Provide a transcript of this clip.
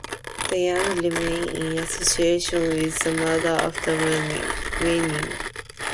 The young remain in association with the mother after weaning.